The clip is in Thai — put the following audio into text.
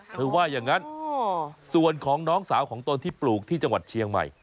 ว่าอย่างนั้นส่วนของน้องสาวของตนที่ปลูกที่จังหวัดเชียงใหม่